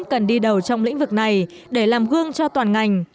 cần đi đầu trong lĩnh vực này để làm gương cho toàn ngành